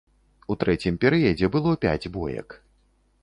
У трэцім перыядзе было пяць боек.